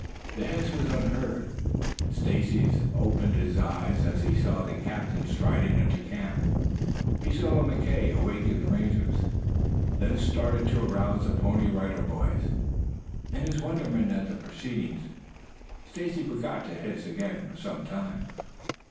The hiss was unheard. Stacy opened his eyes as he saw the captain striding into camp. He saw McKay awaken the Rangers, then start to arouse the Pony Rider Boys. In his wonderment at the proceeding Stacy forgot to hiss again for some time.